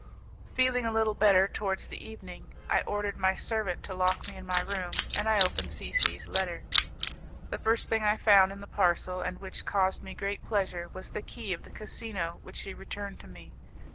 Feeling a little better towards the evening, I ordered my servant to lock me in my room, and I opened C C 's letter. The first thing I found in the parcel, and which caused me great pleasure, was the key of the casino which she returned to me.